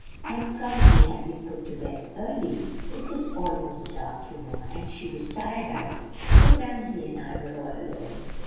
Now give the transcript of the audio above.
"And Phronsie had been put to bed early. It was almost dark, you know, and she was tired out; so Mamsie and I were all alone."